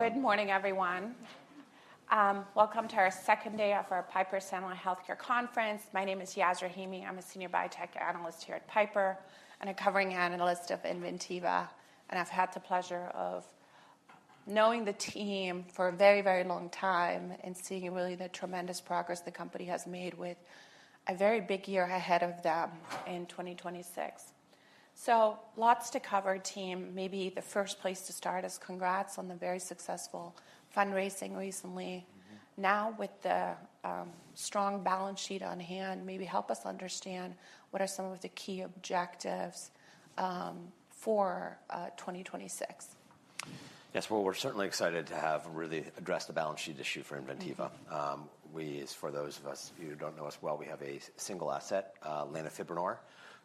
Good morning, everyone. Welcome to our second day of our Piper Sandler Healthcare Conference. My name is Yas Rahimi. I'm a Senior Biotech Analyst here at Piper and a Covering Analyst of Inventiva, and I've had the pleasure of knowing the team for a very, very long time and seeing really the tremendous progress the company has made with a very big year ahead of them in 2026, so lots to cover, team. Maybe the first place to start is congrats on the very successful fundraising recently. Now with the strong balance sheet on hand, maybe help us understand what are some of the key objectives for 2026. Yes, well, we're certainly excited to have really addressed the balance sheet issue for Inventiva. As for those of us who don't know us well, we have a single asset, lanifibranor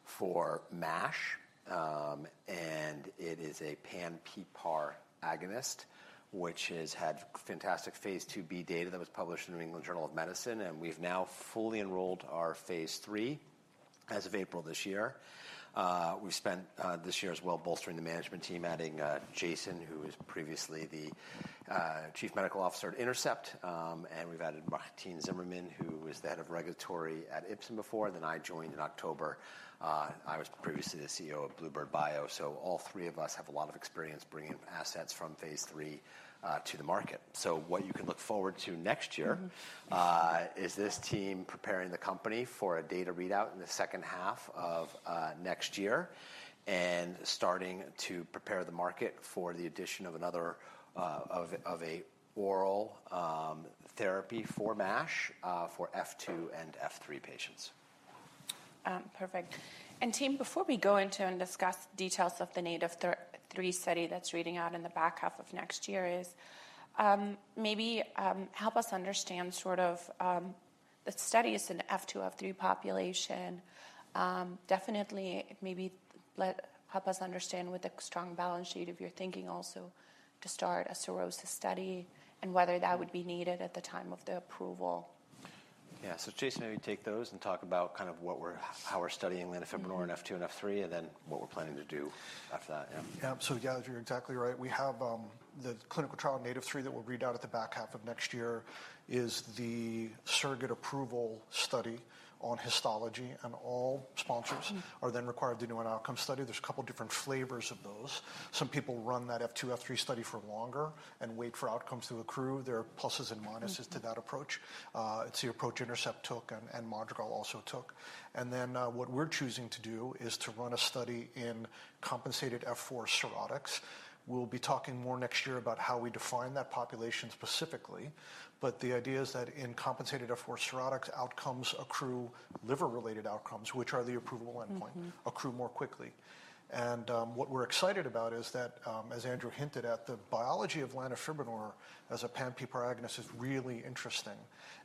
for MASH and it is a pan-PPAR agonist which has had fantastic phase IIb data that was published in New England Journal of Medicine. And we've now fully enrolled our Phase III as of April this year. We've spent this year as well bolstering the management team, adding Jason, who was previously the Chief Medical Officer at Intercept, and we've added Martine Zimmermann, who was the Head of Regulatory at Ipsen before. Then, I joined in October. I was previously the CEO of bluebird bio. So all three of us have a lot of experience bringing assets Phase III to the market. What you can look forward to next year is this team preparing the company for a data readout in the second half of next year and starting to prepare the market for the addition of another of a oral therapy for MASH for F2 and F3 patients. Perfect. And team, before we go into and discuss details of the NATiV3 study that's reading out in the back half of next year, maybe help us understand sort of the studies in F2/F3 population. Definitely, maybe help us understand with a strong balance sheet if you're thinking also to start a cirrhosis study and whether that would be needed at the time of the approval. Yeah. So, Jason, maybe take those and talk about kind of how we're studying lanifibranor, F2 and F3 and then what we're planning to do after that. Yeah, yeah. So yeah, you're exactly right. We have the clinical trial NATiV3 that we'll read out at the back half of next year, is the surrogate approval study on histology. And all sponsors are then required to do an outcome study. There's a couple different flavors of those, some people run that F2/F3 study for longer and wait for outcomes to accrue. There are pluses and minuses to that approach. It's the approach Intercept took and Madrigal also took. And then what we're choosing to do is to run a study in compensated F4 cirrhotics. We'll be talking more next year about how we define that population specifically. But the idea is that in compensated F4 cirrhotics outcomes accrue, liver related outcomes, which are the approval endpoint, accrue more quickly. And what we're excited about is that as Andrew hinted at, the biology of lanifibranor as a pan-PPAR agonist is really interesting.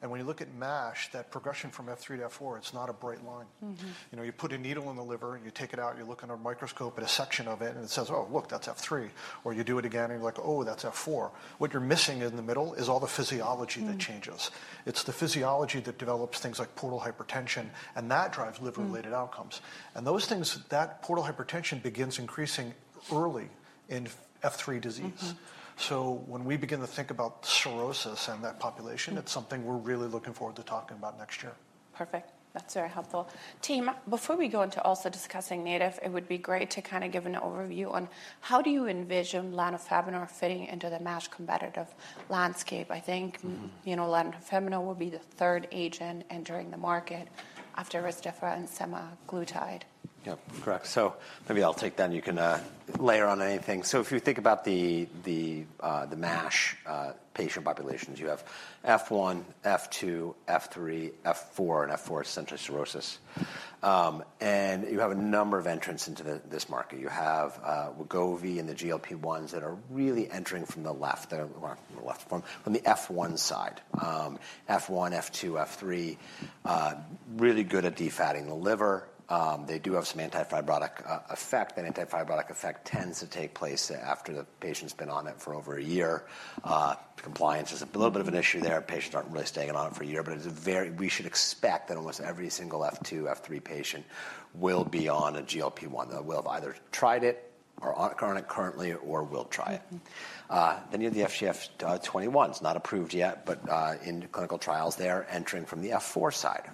And when you look at MASH, that progression from F3 to F4, it's not a bright line. You know, you put a needle in the liver and you take it out, you look under a microscope at a section of it and it says, oh look, that's F3. Or you do it again and you're like, oh, that's F4. What you're missing in the middle is all the physiology that changes. It's the physiology that develops things like portal hypertension and that drives liver related outcomes and those things that portal hypertension begins increasing early in F3 disease. So when we begin to think about cirrhosis in that population, it's something we're really looking forward to talking about next year. Perfect. That's very helpful team. Before we go into also discussing NATiV3, it would be great to kind of give an overview on how do you envision lanifibranor fitting into the MASH competitive landscape. I think lanifibranor will be the third agent entering the market after Rezdiffra and semaglutide. Yeah, correct. So maybe I'll take that and you can layer on anything. So if you think about the MASH patient populations, you have F1, F2/F3, F4 and F4 compensated cirrhosis. And you have a number of entrants into this market. You have Wegovy and the GLP-1s that are really entering from the left from the F1 side. F1, F2, F3, really good at defatting the liver. They do have some antifibrotic effect. That antifibrotic effect tends to take place after the patient's been on it for over a year. Compliance, there's a little bit of an issue there. Patients aren't really staying on it for a year, but it's a very. We should expect that almost every single F2/F3 patient will be on a GLP-1 that will have either tried it or on it currently or will try it. Then you have the FGF21s not approved yet. But in clinical trials they are entering from the F4 side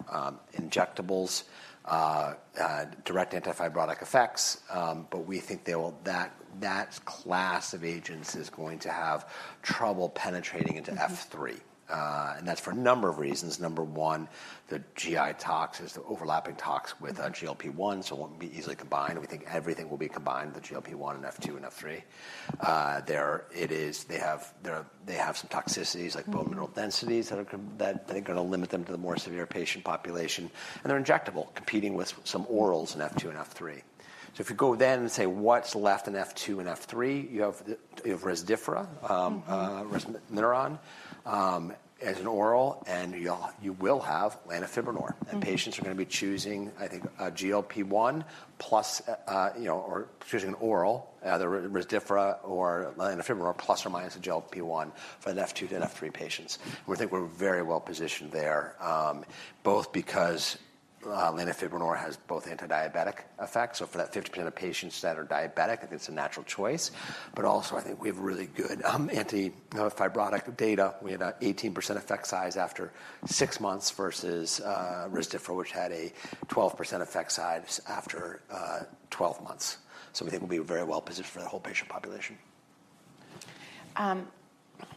injectables, direct antifibrotic effects. But we think that class of agents is going to have trouble penetrating into F3 and that's for a number of reasons. Number one, the GI tox is the overlapping tox with GLP-1, so it won't be easily combined. We think everything will be combined, the GLP-1 and F2 and F3. There it is, they have some toxicities like bone mineral densities that they're going to limit them to the more severe patient population and they're injectable, competing with some orals in F2 and F3. So if you go then and say what's left in F2 and F3, you have Rezdiffra (resmetirom) as an oral and you will have lanifibranor. Patients are gonna be choosing, I think, GLP-1 plus, you know, or choosing an oral Rezdiffra or lanifibranor plus or minus a GLP-1 for F2 and F3 patients. We think we're very well positioned there both because lanifibranor has both antidiabetic effect. For that 50% of patients that are diabetic, I think it's a natural choice. Also, I think we have really good antifibrotic data. We had an 18% effect size after six months versus Rezdiffra, which had a 12% effect size after 12 months. We think we'll be very well positioned for the whole patient population.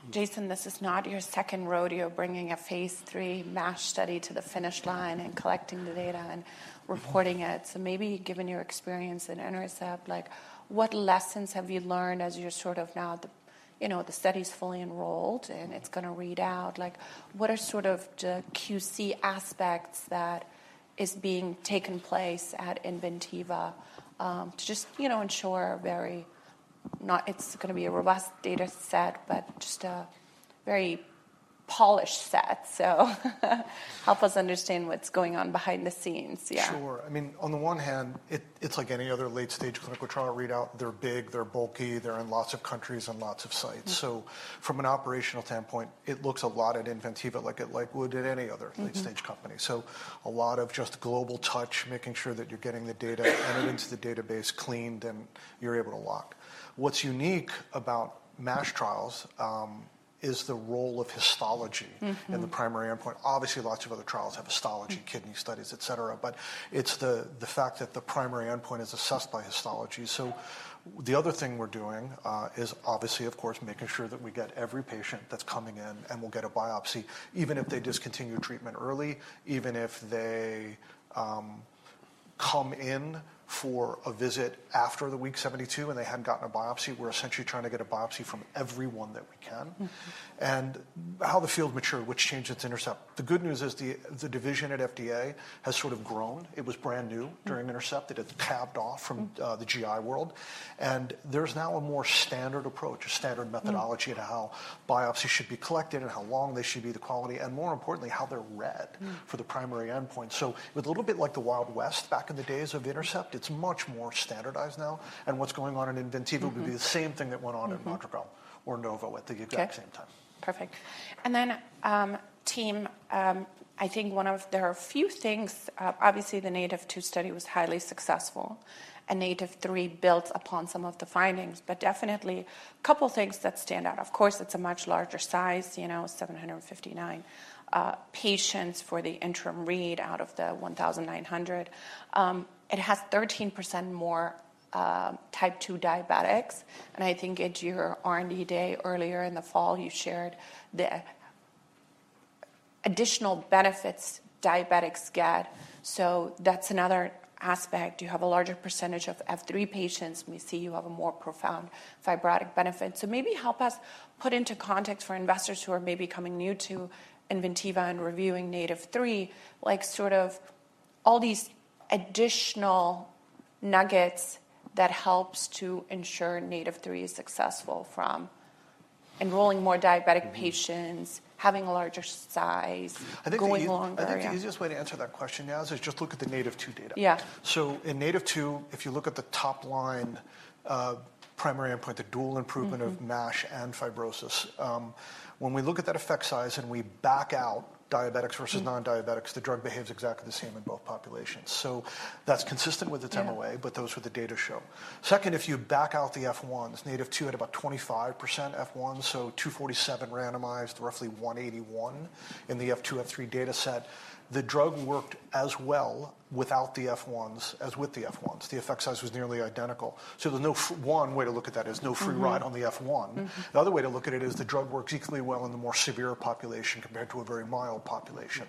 Jason, this is not your second rodeo, bringing Phase III MASH study to the finish line and collecting the data and reporting it. So maybe given your experience at Intercept, like what lessons have you learned as you're sort of now, you know, the study's fully enrolled and it's going to read out like what are sort of the QC aspects that is being taken place at Inventiva to just, you know, ensure very not it's going to be a robust data set, but just, just a very polished set. So help us understand what's going on behind the scenes. Sure. I mean on the one hand it's like any other late stage clinical trial readout. They're big, they're bulky, they're in lots of countries and lots of sites. So from an operational standpoint it looks a lot at Inventiva like it would at any other late stage company. So a lot of just global touch, making sure that you're getting the data and the database cleaned and you're able to lock. What's unique about MASH trials is the role of histology in the primary endpoint. Obviously lots of other trials have histology, kidney studies, et cetera, but it's the fact that the primary endpoint is assessed by histology. So the other thing we're doing is obviously of course making sure that we get every patient that's coming in and will get a biopsy, even if they discontinue treatment early, even if they come in for a visit after week 72 and they hadn't gotten a biopsy. We're essentially trying to get a biopsy from everyone that we can. And how the field matured, which changed its Intercept. The good news is the division at FDA has sort of grown. It was brand new during Intercept. It had carved off from the GI world. And there's now a more standard approach, a standard methodology to how biopsies should be collected and how long they should be, the quality and more importantly how they're read for the primary endpoint. So it was a little bit like the Wild West back in the days of Intercept, it's much more standardized now. And what's going on in Inventiva would be the same thing that went on in Madrigal or Novo at the exact same time. Perfect. And then, team. I think there are a few things. Obviously the Phase IIb NATIVE study was highly successful and NATiV3 built upon some of the findings, but definitely a couple things that stand out. Of course it's a much larger size. You know, 759 patients for the interim read out of the 1,900. It has 13% more type 2 diabetics. And I think at your R&D day earlier in the fall, you shared the additional benefits diabetics get. So that's another aspect. You have a larger percentage of F3 patients, but we see you have a more profound fibrotic benefit. So maybe help us put into context for investors who are maybe coming new to Inventiva and reviewing NATiV3, like sort of all these additional nuggets that helps to ensure NATiV3 is successful from enrolling more diabetic patients, having a larger size, going longer. I think the easiest way to answer that question now is just look at the Phase IIb NATIVE data. Yeah. So in Phase IIb NATIVE, if you look at the top line primary endpoint, the dual improvement of MASH and fibrosis when we look at that effect size and we back out diabetics versus non diabetics, the drug behaves exactly the same in both populations. So that's consistent with its MOA. But those with the data show second, if you back out the F1's Phase IIb NATIVE at about 25% F1, so 247 randomized roughly 181 in the F2/F3 data set, the drug worked as well without the F1s as with the F1s. The effect size was nearly identical. So there's no one way to look at that is no free ride on the F1. The other way to look at it is the drug works equally well in the more severe population compared to a very mild population.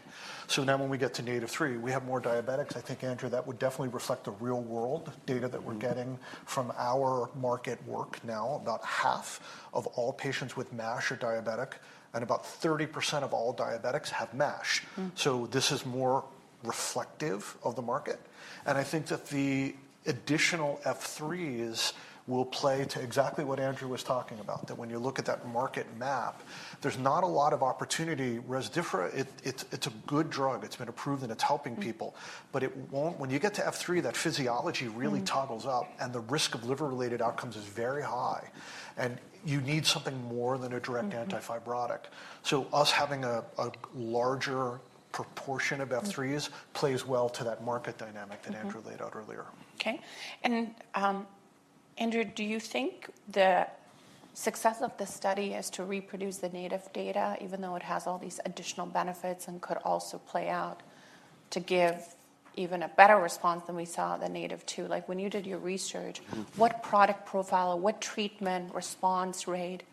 So now when we get to NATiV3, we have more diabetics. I think, Andrew, that would definitely reflect the real world data that we're getting from our market work. Now, about half of all patients with MASH are diabetic and about 30% of all diabetics have MASH, so this is more reflective of the market, and I think that the additional F3s will play to exactly what Andrew was talking about, that when you look at that market map, there's not a lot of opportunity. Rezdiffra, it's a good drug, it's been approved and it's helping people, but it won't. When you get to F3, that physiology really, really toggles up and the risk of liver-related outcomes is very high and you need something more than a direct antifibrotic, so us having a larger proportion of F3s plays well to that market dynamic that Andrew laid out earlier. Okay. And Andrew, do you think the success of the study is to reproduce the Phase IIb NATIVE data, even though it has all these additional benefits and could also play out to give even a better response than we saw the Phase IIb NATIVE. Like when you did your research, what product profile, what treatment response rate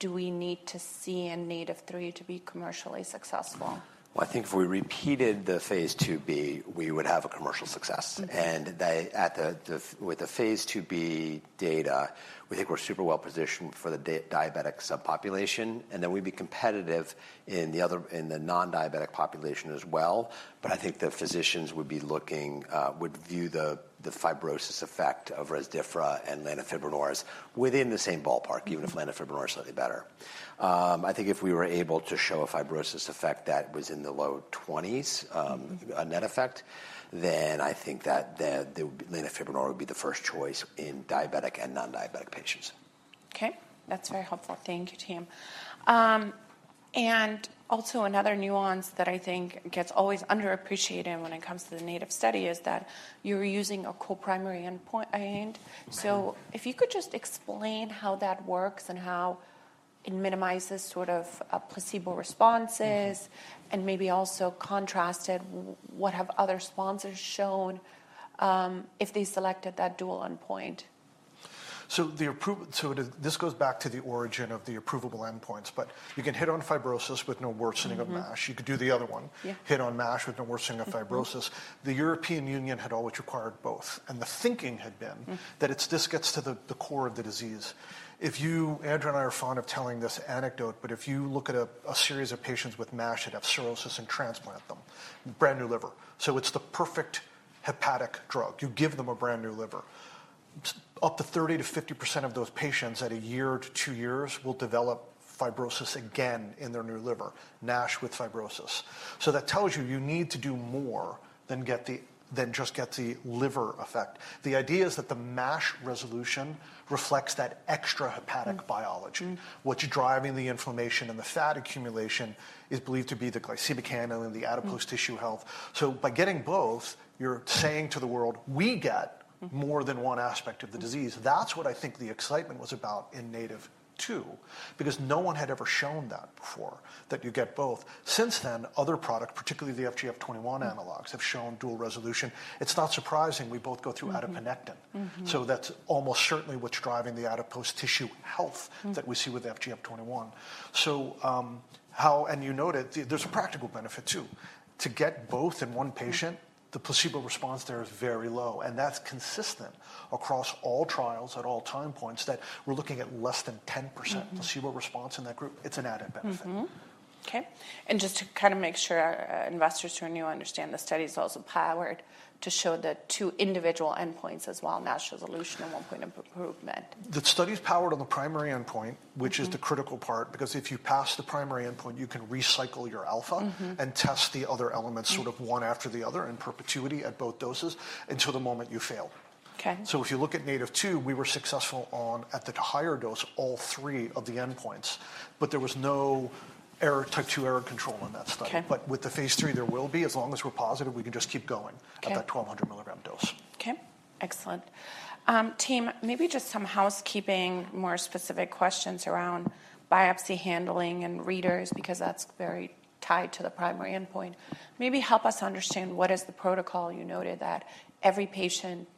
do we need to see in NATiV3 to be commercially successful? I think if we repeated the Phase IIb, we would have a commercial success. With the Phase IIb data, we think we're super well positioned for the diabetic subpopulation and then we'd be competitive in the non-diabetic population as well. I think the physicians would be looking and would view the fibrosis effect of Rezdiffra and lanifibranor within the same ballpark, even if lanifibranor is slightly better. I think if we were able to show a fibrosis effect that was in the low 20s, a net effect. I think that lanifibranor would be the first choice in diabetic and non-diabetic patients. Okay, that's very helpful, thank you, team. And also, another nuance that I think gets always underappreciated when it comes to the NATiV3 study is that you're using a co-primary endpoint. So if you could just explain how that works and how it minimizes sort of placebo responses and maybe also contrasted what have other sponsors shown if they selected that dual endpoint. This goes back to the origin of the approvable endpoints. But you can hit on fibrosis with no worsening of MASH. You could do the other one, hit on MASH with no worsening of fibrosis. The European Union had always required both and the thinking had been that this gets to the core of the disease. Andrew and I are fond of telling this anecdote, but if you look at a series of patients with MASH that have cirrhosis and transplant. Transplant them brand new liver. So it's the perfect hepatic drug. You give them a brand new liver, up to 30%-50% of those patients at a year to two years will develop fibrosis again in their new liver. NASH with fibrosis. So that tells you you need to do more than just get the liver effect. The idea is that the MASH resolution reflects that extrahepatic biology. What's driving the inflammation and the fat accumulation is believed to be the glycemic control and the adipose tissue health. So by getting both, you're saying to the world we get more than one aspect of the disease. That's what I think the excitement was about in Phase IIb NATIVE because no one had ever shown that before that you get both. Since then, other products, particularly the FGF21 analogs, have shown dual resolution. It's not surprising we both go through adiponectin. So that's almost certainly what's driving the adipose tissue health that we see with FGF21. So how? And you noted there's a practical benefit too to get both in one patient. The placebo response there is very low, and that's consistent across all trials at all time points that we're looking at, less than 10% placebo response in that group. It's an added benefit. Okay. Just to kind of make sure investors who are new understand, the study is also powered to show the two individual endpoints as well. MASH resolution and one point of improvement. The study is powered on the primary endpoint which is the critical part, because if you pass the primary endpoint, you can recycle your alpha and test the other elements sort of one after the other in perpetuity at both doses until the moment you fail. Okay, so if you look at Phase IIb NATIVE, we were successful on at the higher dose, all three of the endpoints. But there was no type 2 error control in that study. But with Phase III, there will be. As long as we're positive, we can just keep going at that 1,200 mg dose. Okay, excellent, team. Maybe just some housekeeping. More specific questions around biopsy handling and readers, because that's very tied to the primary endpoint. Maybe help us understand what is the protocol. You noted that every patient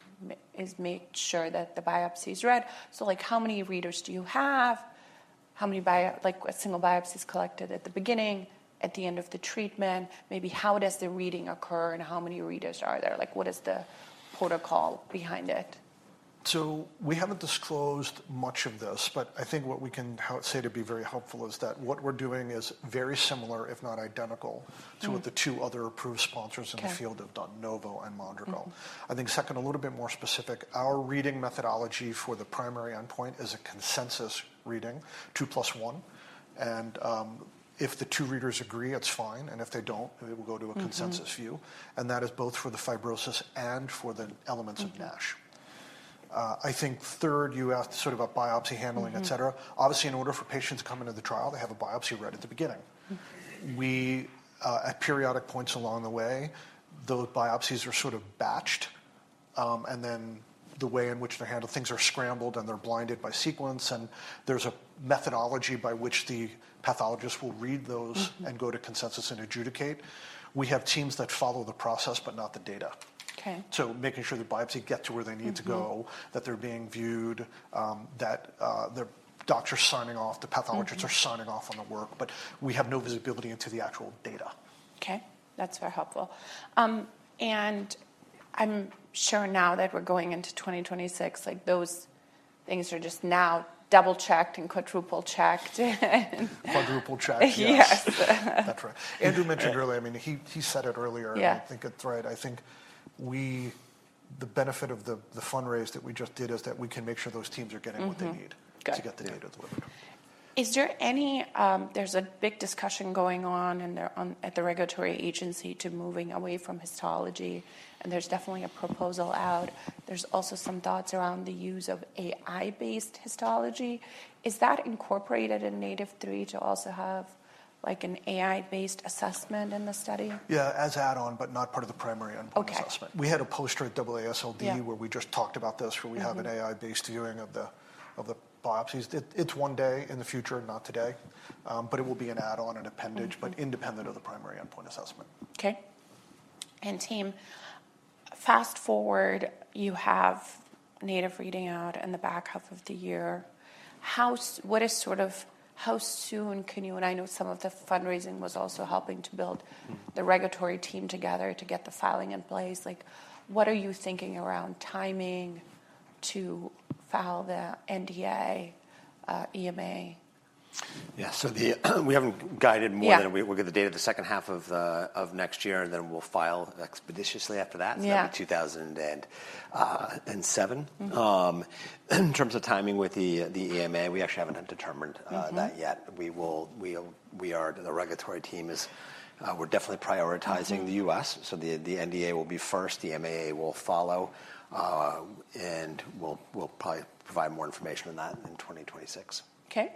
made sure that the biopsy is read. So, like, how many readers do you have? How many? Like a single biopsies collected at the beginning, at the end of the treatment, maybe, how does the reading occur and how many readers are there? Like, what is the protocol behind it? So we haven't disclosed much of this, but I think what we can say to be very helpful is that what we're doing is very similar, if not identical to what the two other approved sponsors in the field have done. Novo and Madrigal. I think second, a little bit more specific, our reading methodology for the primary endpoint is a consensus reading, 2 + 1. And if the two readers agree, it's fine. And if they don't, we'll go to a consensus view. And that is both for the fibrosis and for the elements of NASH. I think third, you asked sort of about biopsy handling, et cetera. Obviously, in order for patients to come into the trial, they have a biopsy right at the beginning. We at periodic points along the way, those biopsies are sort of batched, and then the way in which they're handled, things are scrambled and they're blinded by sequence. And there's a methodology by which the pathologist will read those and go to consensus and adjudicate. We have teams that follow the process, but not the data. Okay. So making sure the biopsy get to where they need to go, that they're being viewed, that the doctors signing off, the pathologists are signing off on work, but we have no visibility into the actual data. Okay, that's very helpful. And I'm sure now that we're going into 2026, like those things are just now double checked and quadruple checked. Quadruple checked, yes, that's right. Andrew mentioned earlier, I mean, he said it earlier. I think it's right. The benefit of the fundraise that we just did is that we can make sure those teams are getting what they need to get the data delivered. Is there any. There's a big discussion going on in there at the regulatory agency to moving away from histology and there's definitely a proposal out. There's also some thoughts around the use of AI-based histology. Is that incorporated in NATiv3 to also have like an AI-based assessment in the study? Yeah, as add-on but not part of the primary endpoint. We had a poster at AASLD where we just talked about this where we have an AI-based viewing of the biopsies. It's one day in the future, not today, but it will be an add-on, an appendage, but independent of the primary endpoint assessment. Okay. And team, fast forward, you have NATiV3 reading out in the back half of the year. What is sort of how soon can you, and I know some of the fundraising was also helping to build the regulatory team together to get the filing in place. Like, what are you thinking around timing to file the NDA, EMA? We haven't guided more than we will get the data the second half of next year and then we'll file expeditiously after that, 2027. In terms of timing with the EMA, we actually haven't had to determine that yet. We're definitely prioritizing the U.S. So the NDA will be first, the EMA will follow and we'll probably provide more information in that in 2026. Okay.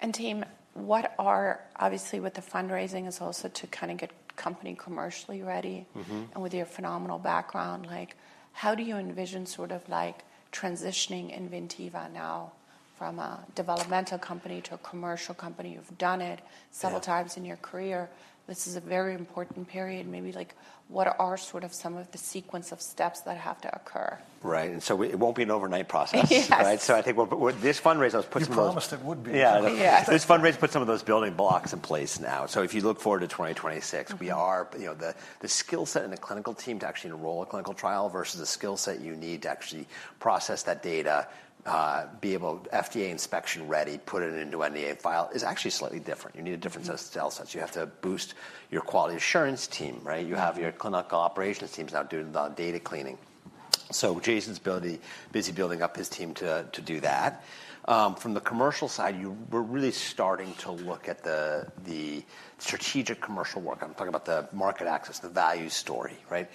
And team, what are obviously with the fundraising is also to kind of get company commercially ready and with your phenomenal background like how do you envision sort of like transitioning Inventiva now from a developmental company to a commercial company. You've done it several times in your career. This is a very important period. Maybe like what are sort of some of the sequence of steps that have to occur. Right, and so it won't be an overnight process. Right, so I think this fundraiser puts. You promised it would be. Yeah, yeah. This fundraise put some of those building blocks in place now. So if you look forward to 2026, we are, you know the skill set in the clinical team to actually enroll a clinical trial versus the skill set you need to actually process that data, be able FDA inspection ready, put it into NDA file is actually slightly different. You need a different set of skill sets. You have to boost your quality assurance team. Right. You have your clinical operations teams now doing the data cleaning. So Jason's busy building up his team to do that. From the commercial side, we're really starting to look at the strategic commercial work. I'm talking about the market access, the value story, right.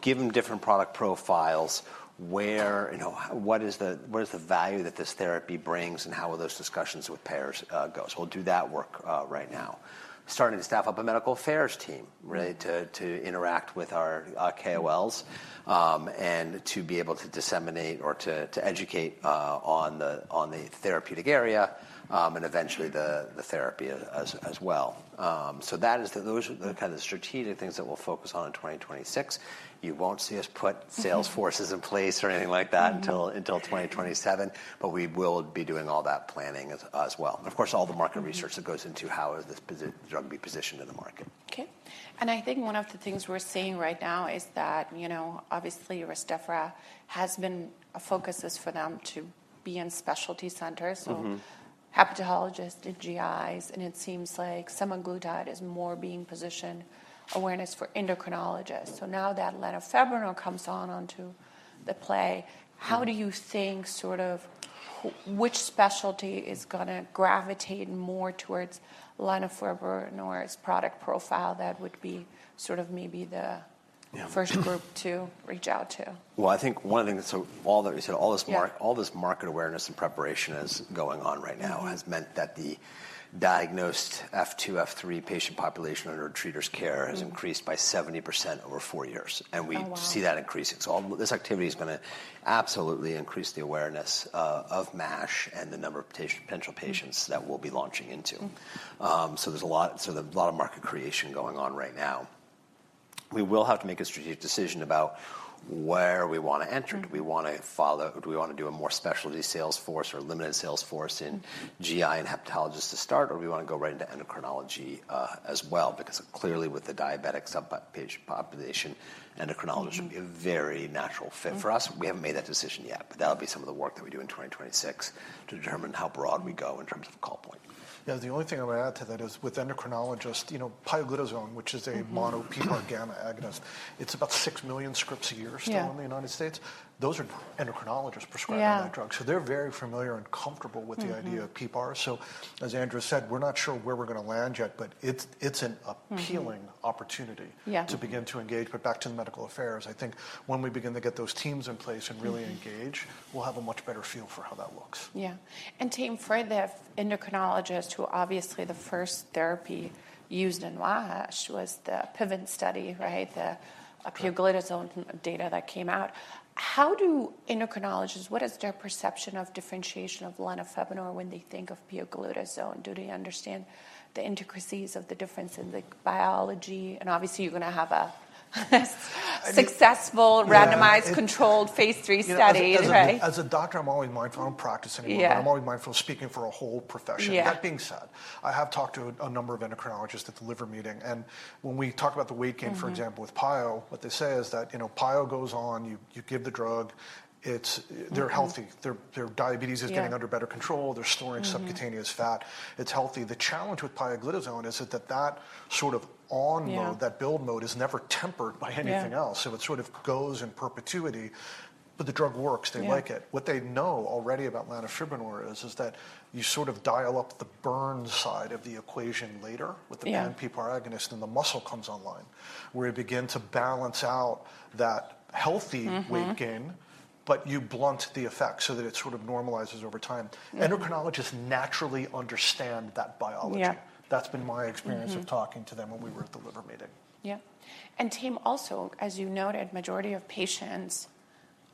Give them different product profiles where you know, what is the value that this therapy brings and how will those discussions with payers go? We'll do that work right now. Starting to staff up a medical affairs team really to interact with our KOLs and to be able to disseminate or to educate on the therapeutic area and eventually the therapy as well. That is, those are the kind of strategic things that we'll focus on in 2026. You won't see us put sales forces in place or anything like that until 2027. But we will be doing all that planning as well. And of course all the market research that goes into how is this drug be positioned in the market. Okay, and I think one of the things we're seeing right now is that you know, obviously Rezdiffra has been a focus for them to be in specialty centers, hepatologists and GIs. And it seems like semaglutide is more being positioned awareness for endocrinologists. So now that lanifibranor comes on onto the play, how do you think sort of which specialty is going to gravitate more towards lanifibranor or its product profile? That would be sort of maybe the first group to reach out to. I think one of the things that all this, all this market awareness and preparation is going on right now has meant that the diagnosed F2/F3 patient population under treaters' care has increased by 70% over four years and we see that increasing. So this activity is going to absolutely increase the awareness of MASH and the number of potential patients that will be launching into. So there's a lot, so there's a lot of market creation going on right now. We will have to make a strategic decision about where we want to enter. Do we want to follow, do we want to do a more specialty sales force or limited sales force in GI and hepatologists to start or do we want to go right into endocrinology as well? Because clearly with the diabetic sub patient population, endocrinology should be a very natural fit for us. We haven't made that decision yet, but that'll be some of the work that we do in 2026 to determine how broadly we go in terms of call point. Yeah. The only thing I would add to that is with endocrinologists, you know, pioglitazone, which is a mono-PPAR gamma agonist, it's about six million scripts a year still in the U.S. Those are endocrinologists prescribing that drug. So they're very familiar and comfortable with the idea of PPAR. So as Andrew said, we're not sure where we're going to land yet, but it's an appealing opportunity to begin to engage. But back to the medical affairs. I think when we begin to get those teams in place and really engage, we'll have a much better feel for how that looks. Yeah. And to me for the endocrinologist who obviously the first therapy used in NASH was the PIVENS study. Right. The pioglitazone data that came out. How do endocrinologists, what is their perception of differentiation of lanifibranor when they think of pioglitazone? Do they understand the integration of the difference in the biology? And obviously you're going to have a successful randomized, Phase III study. As a doctor, I'm always mindful. I don't practice anymore, but I'm always mindful of speaking for a whole profession. That being said, I have talked to a number of endocrinologists at the liver meeting, and when we talk about the weight gain, for example, with PIO, what they say is that PIO goes on, you give the drug, they're healthy, their diabetes is getting under better control, they're storing subcutaneous fat. It's healthy. The challenge with pioglitazone is that that sort of on mode, that build mode is never tempered by anything else. So it sort of goes in perpetuity. But the drug works, they like it. What they know already about lanifibranor is that you sort of dial up the burn side of the equation later with the agonist and the muscle comes online where you begin to balance out that healthy weight gain, but you blunt the effect so that it sort of normalizes over time. Endocrinologists naturally understand that biology. That's been my experience of talking to them when we were at the liver meeting. Yeah. And team, also, as you noted, majority of patients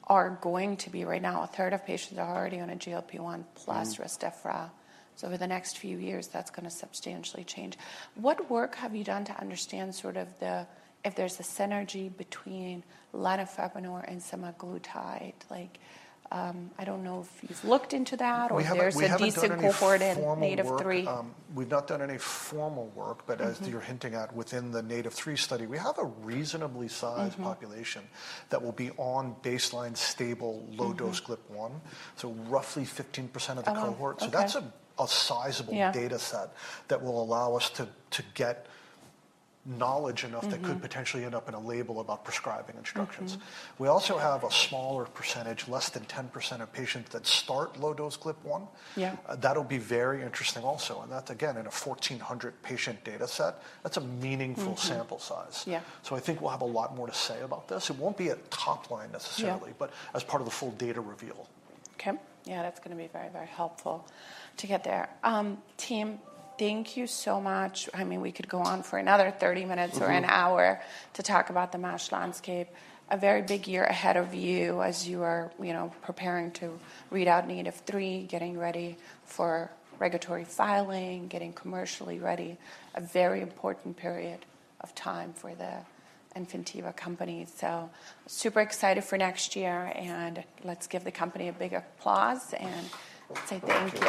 are going to be. Right now, a third of patients are already on a GLP-1 plus Rezdiffra. So over the next few years, that's going to substantially change. What work have you done to understand sort of the if there's a synergy between lanifibranor and semaglutide? Like, I don't know if you've looked into that or there's a decent cohort in NATiV3. We've not done any formal work, but as you're hinting at, within the NATiV3 study, we have a reasonably sized population that will be on baseline stable low dose GLP-1, so roughly 15% of the cohort, so that's a sizable data set that will allow us to get knowledge enough that could potentially end up in a label about prescribing and instructions. We also have a smaller percentage, less than 10% of patients that start low dose GLP-1. That'll be very interesting also, and that's again in a 1,400 patient data set. That's a meaningful sample size. Yeah. So I think we'll have a lot more to say about this. It won't be a top line necessarily, but as part of the full data reveal. Okay, yeah, that's going to be very, very helpful to get there. Team, thank you so much. I mean, we could go on for another 30 minutes or an hour to talk about the MASH landscape. A very big year ahead of you as you are, you know, preparing to read out NATiV3, getting ready for regulatory filing, getting commercially ready. A very important period of time for the Inventiva company. Super excited for next year and let's give the company a big applause and say thank you.